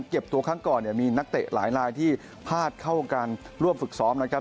เก็บตัวครั้งก่อนเนี่ยมีนักเตะหลายลายที่พลาดเข้าการร่วมฝึกซ้อมนะครับ